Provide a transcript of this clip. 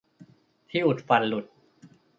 ที่อุดฟันหลุด ! :'